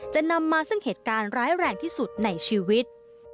จะนำมาซึ่งเหตุการณ์ร้ายแรงที่สุดในชีวิต